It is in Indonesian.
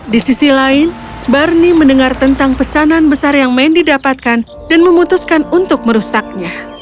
di sisi lain barnie mendengar tentang pesanan besar yang mendy dapatkan dan memutuskan untuk merusaknya